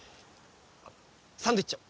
あっサンドイッチを。